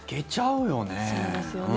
そうですよね。